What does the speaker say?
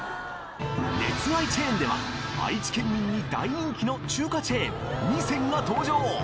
熱愛チェーンでは愛知県民に大人気の中華チェーン味仙が登場！